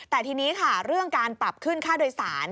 แต่ทีนี้ค่ะเรื่องการปรับขึ้นค่าโดยสาร